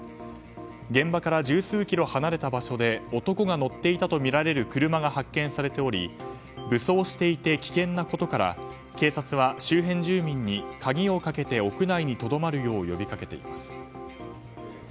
現場から十数キロ離れた場所で男が乗っていたとみられる車が発見されており武装していて危険なことから警察は周辺住民に鍵をかけて屋内にとどまるよう呼びかけています。